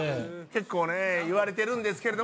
結構ね言われてるんですけれど。